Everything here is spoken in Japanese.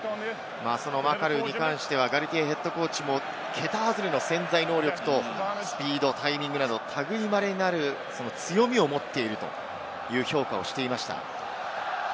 マカルーに関してはガルティエＨＣも桁外れの潜在能力とスピード、タイミングなど、類まれなる強みを持っているという評価をしていました。